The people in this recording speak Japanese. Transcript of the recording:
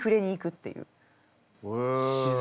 自然？